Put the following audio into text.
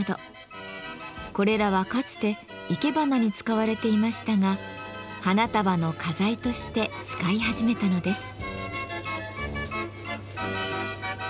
これらはかつて生け花に使われていましたが花束の花材として使い始めたのです。